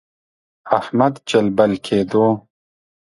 احمد جلبل کېدو.